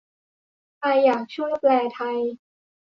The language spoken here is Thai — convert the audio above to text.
ใครอยากช่วยแปลไทย